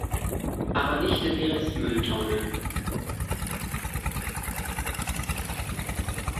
Aber nicht in die Restmülltonne!